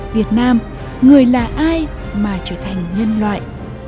việt nam người là ai mà trở thành nhân loại